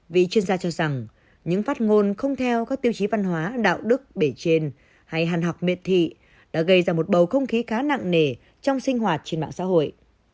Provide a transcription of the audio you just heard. vị chuyên gia cho rằng những phát ngôn không theo các tiêu chí văn hóa đạo đức bể trên hay hàn học miệt thị đã gây ra một bầu không khí khá nặng nề trong sinh hoạt trên mạng xã hội